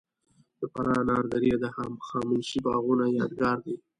د فراه انار درې د هخامنشي باغونو یادګار دی